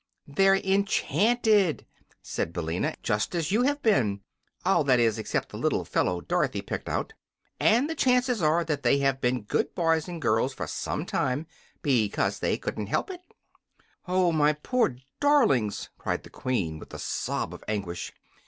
"They're enchanted," said Billina, "just as you have been all, that is, except the little fellow Dorothy picked out. And the chances are that they have been good boys and girls for some time, because they couldn't help it." "Oh, my poor darlings!" cried the Queen, with a sob of anguish.